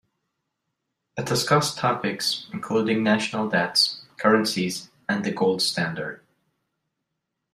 It discussed topics including national debts, currencies, and the gold standard.